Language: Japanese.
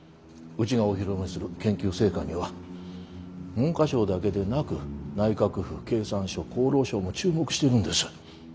うちがお披露目する研究成果には文科省だけでなく内閣府経産省厚労省も注目してるんです。